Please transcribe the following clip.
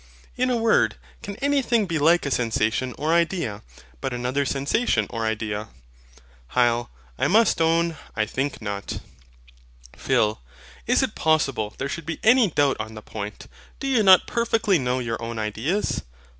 In a word, can anything be like a sensation or idea, but another sensation or idea? HYL. I must own, I think not. PHIL. Is it possible there should be any doubt on the point? Do you not perfectly know your own ideas?